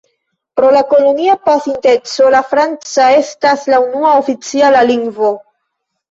Pro la kolonia pasinteco la franca estas la unua oficiala lingvo.